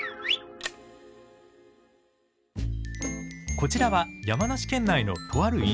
こちらは山梨県内のとある飲食店。